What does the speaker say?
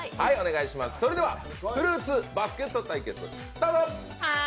それでは、フルーツバスケット対決スタート！